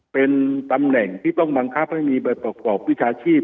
เป็นตำแหน่งที่ต้องบังคับให้มีใบประกอบวิชาชีพ